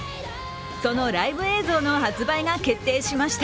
そのライブ映像の発売が決定しました。